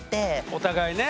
お互いね。